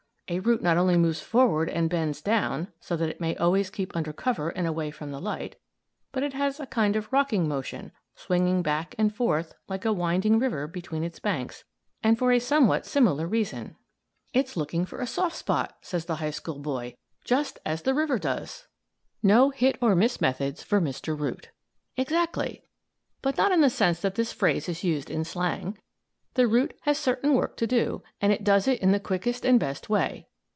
A root not only moves forward and bends down so that it may always keep under cover and away from the light but it has a kind of rocking motion, swinging back and forth, like a winding river between its banks, and for a somewhat similar reason. "It's looking for a soft spot!" says the high school boy, "just as the river does." NO HIT OR MISS METHODS FOR MR. ROOT Exactly. But not in the sense that this phrase is used in slang. The root has certain work to do, and it does it in the quickest and best way.